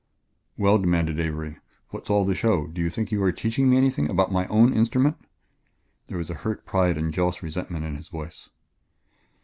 "Well," demanded Avery, "what's all the show? Do you think you are teaching me anything about my own instrument?" There was hurt pride and jealous resentment in his voice.